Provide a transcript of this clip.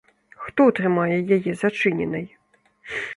Хто трымае яе зачыненай?